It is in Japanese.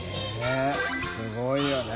佑すごいよね。